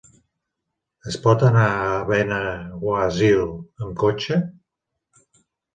Es pot anar a Benaguasil amb cotxe?